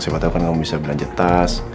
siapa tahu kan kamu bisa belanja tas